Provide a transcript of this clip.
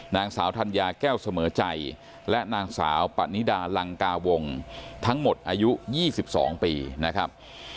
นางสาวธัญญาแก้วเสมอใจและนางสาวปะนิดาลังกาวงทั้งหมดอายุ๒๒ปีนะครับ